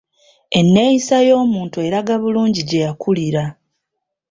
Enneeyisa y'omuntu eraga bulungi gye yakulira.